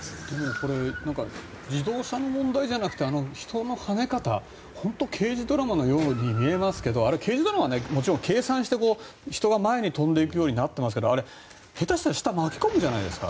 これ自動車の問題じゃなくて人のはね方、本当に刑事ドラマのように見えますけど刑事ドラマは計算して人が前に飛ぶようになってますけどあれは下手したら下を巻き込むじゃないですか。